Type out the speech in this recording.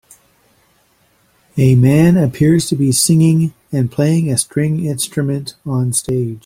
A man appears to be singing and playing a string instrument on stage.